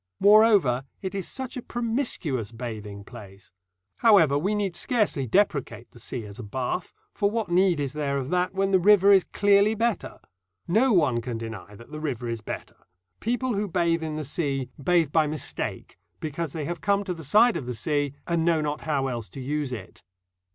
Moreover, it is such a promiscuous bathing place. However, we need scarcely depreciate the sea as a bath, for what need is there of that when the river is clearly better? No one can deny that the river is better. People who bathe in the sea bathe by mistake, because they have come to the side of the sea, and know not how else to use it.